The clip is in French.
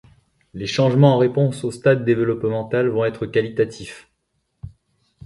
Les changements en réponse au stade développemental vont être qualitatifs.